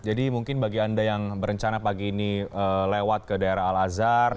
jadi mungkin bagi anda yang berencana pagi ini lewat ke daerah al azhar